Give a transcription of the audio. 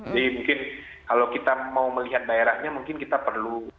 jadi mungkin kalau kita mau melihat daerahnya mungkin kita perlu periksa